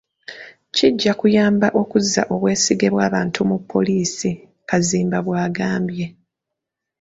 "Kijja kuyamba okuzza obwesige bw’abantu mu poliisi.” Kazimba bw’agambye.